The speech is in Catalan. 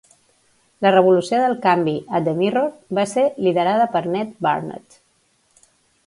La revolució del canvi a The Mirror va ser liderada per Ned Barnett.